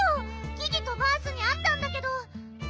ギギとバースにあったんだけど。